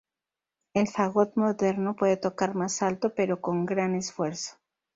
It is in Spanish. El fagot moderno puede tocar más alto, pero con gran esfuerzo.